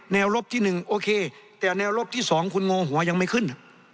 ลบที่๑โอเคแต่แนวลบที่๒คุณโงหัวยังไม่ขึ้น